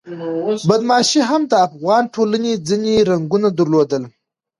بدماشي هم د افغان ټولنې ځینې رنګونه درلودل.